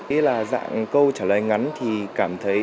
thế là dạng câu trả lời ngắn thì cảm thấy